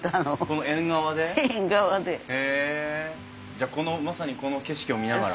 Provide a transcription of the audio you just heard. じゃあこのまさにこの景色を見ながら。